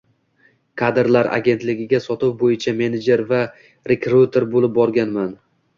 Kadrlar agentligiga sotuv boʻyicha menejer va rekruter boʻlib borganman.